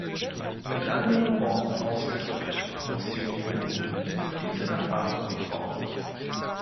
Mit anderen Worten ausgedrückt muss die Union auf diese Erfahrung bauen.